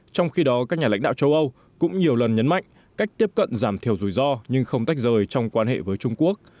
trong khi đó các nhà lãnh đạo châu âu cũng nhiều lần nhấn mạnh cách tiếp cận giảm thiểu rủi ro nhưng không tách rời trong quan hệ với trung quốc